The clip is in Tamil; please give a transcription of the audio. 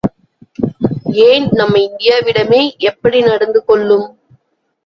ஏன் நமது இந்தியாவிடமே எப்படி நடந்து கொள்ளும்?